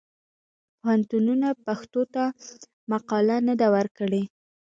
پوهنتونونه پښتو ته مقاله نه ده ورکړې.